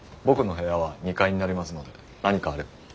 僕の部屋は２階になりますので何かあれば。